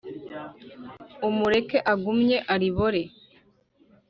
umureke agumye aribore